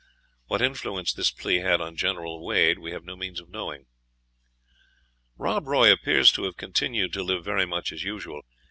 What influence this plea had on General Wade, we have no means of knowing. Rob Roy appears to have continued to live very much as usual.